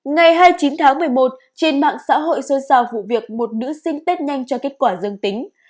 ngày hai mươi chín tháng một mươi một trên mạng xã hội sơn sao vụ việc một nữ sinh tết nhanh cho kết quả dương tính